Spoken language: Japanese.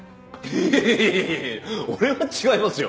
いやいやいや俺は違いますよ。